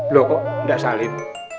loh kok gak salin